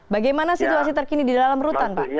bagaimana situasi terkini di dalam rutan pak